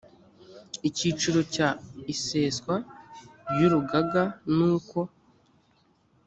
icyiciro cya iseswa ry urugaga n uko